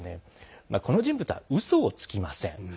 この人物はうそをつきません。